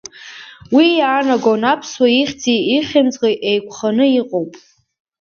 Уи иаанаго аԥсуа ихьӡи ихьымӡӷи еиқәханы иҟоуп.